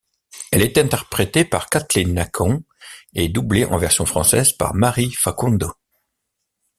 Elle est interprété par Katelyn Nacon et doublé en version française par Marie Facundo.